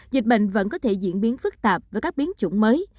dịch bệnh vẫn có thể diễn biến phức tạp với các biến chủng mới